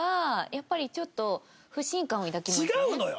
違うのよ。